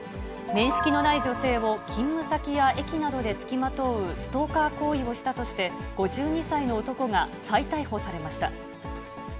面識のない女性を勤務先や駅などで付きまとうストーカー行為をしたとして、５２歳の男が再逮捕されました。